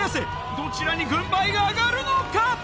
どちらに軍配が上がるのか？